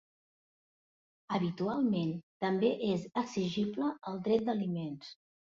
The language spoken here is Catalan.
Habitualment també és exigible el dret d'aliments.